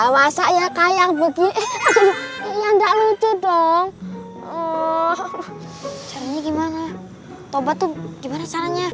masa ya kayak begitu yang tak lucu dong caranya gimana tobat tuh gimana caranya